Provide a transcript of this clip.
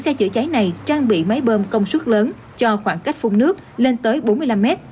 xe chữa cháy này trang bị máy bơm công suất lớn cho khoảng cách phung nước lên tới bốn mươi năm mét